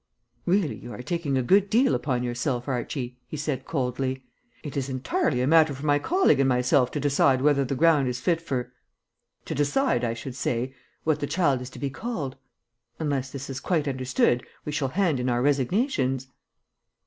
"Really, you are taking a good deal upon yourself, Archie," he said coldly. "It is entirely a matter for my colleague and myself to decide whether the ground is fit for to decide, I should say, what the child is to be called. Unless this is quite understood we shall hand in our resignations."